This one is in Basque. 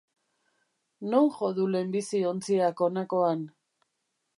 Non jo du lehenbizi ontziak honakoan?